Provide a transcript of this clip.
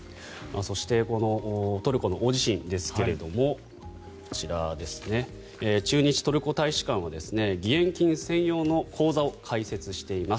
そしてトルコの大地震ですがこちら、駐日トルコ大使館は義援金専用の口座を開設しています。